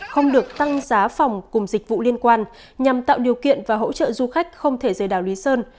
không được tăng giá phòng cùng dịch vụ liên quan nhằm tạo điều kiện và hỗ trợ du khách không thể rời đảo lý sơn